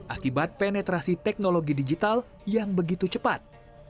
akibat penetrasi teknologi digital yang begitu cepat